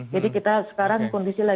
kita sekarang kondisi lagi